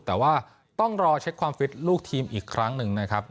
แต่ว่าต้องรอเช็คความฟิตลูกทีมอีกครั้งหนึ่งนะครับ